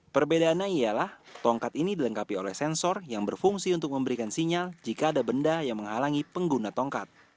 perbedaannya ialah tongkat ini dilengkapi oleh sensor yang berfungsi untuk memberikan sinyal jika ada benda yang menghalangi pengguna tongkat